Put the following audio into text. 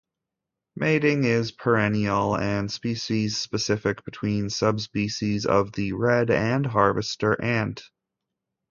Mating is perennial and species-specific between subspecies of the red harvester ant.